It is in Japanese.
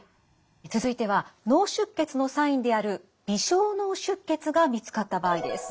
続いては脳出血のサインである微小脳出血が見つかった場合です。